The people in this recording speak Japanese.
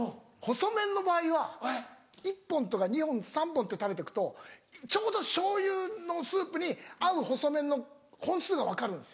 細麺の場合は１本とか２本３本って食べてくとちょうど醤油のスープに合う細麺の本数が分かるんです。